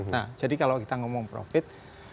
nah jadi kalau kita ngomong profit